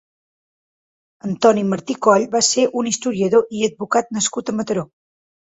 Antoni Martí Coll va ser un historiador i advocat nascut a Mataró.